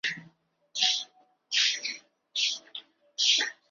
蹴球场在中美洲各处都有设立。